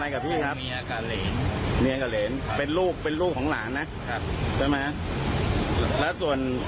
ไม่ทราบครับน่าจะนอนอยู่ตรงนั้นเลย